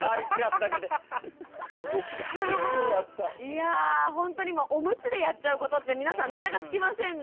いやぁほんとにおむつでやっちゃうことって皆さんネタが尽きませんね。